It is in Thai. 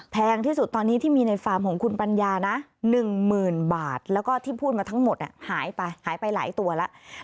แพงที่สุดตอนนี้ที่มีในฟาร์มของคุณปัญญานะ๑๐๐๐บาทแล้วก็ที่พูดมาทั้งหมดหายไปหายไปหลายตัวแล้ว